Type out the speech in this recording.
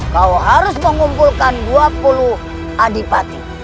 kau harus mengumpulkan dua puluh adipati